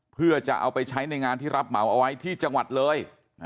เพื่อจะเอาไปใช้ในงานที่รับเหมาเอาไว้ที่จังหวัดเลย